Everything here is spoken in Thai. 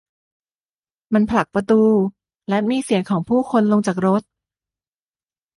มันผลักประตู และมีเสียงของผู้คนลงจากรถ